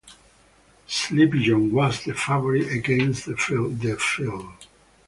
Sleepy John was the favorite against the field.